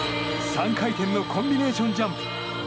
３回転のコンビネーションジャンプ。